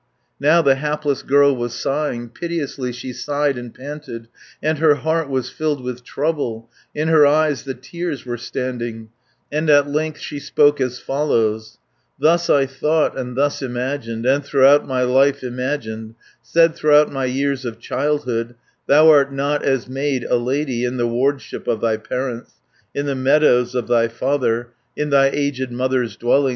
Now the hapless girl was sighing, Piteously she sighed and panted, And her heart was filled with trouble, In her eyes the tears were standing, And at length she spoke as follows: "Thus I thought, and thus imagined, 130 And throughout my life imagined, Said throughout my years of childhood, Thou art not as maid a lady In the wardship of thy parents, In the meadows of thy father, In thy aged mother's dwelling.